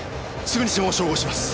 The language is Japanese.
すぐに指紋を照合します。